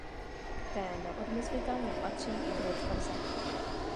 K té neodmyslitelně patří i dvě tvrze.